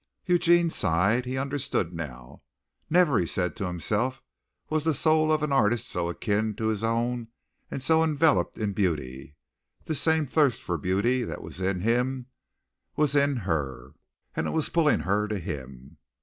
Eugene sighed. He understood now. Never, he said to himself, was the soul of an artist so akin to his own and so enveloped in beauty. This same thirst for beauty that was in him was in her, and it was pulling her to him.